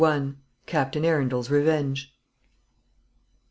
CAPTAIN ARUNDEL'S REVENGE.